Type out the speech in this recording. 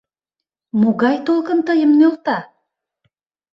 Могай толкын тыйым нӧлта?